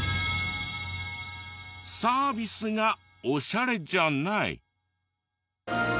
サービスがオシャレじゃない。